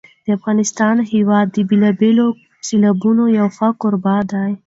د افغانستان هېواد د بېلابېلو سیلابونو یو ښه کوربه دی.